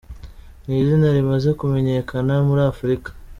ni izina rimaze kumenyekana muri Afurika.